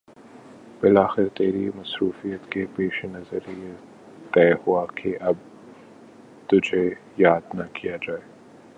بالآخر تیری مصروفیت کے پیش نظریہ تہہ ہوا کے اب تجھے یاد نہ کیا جائے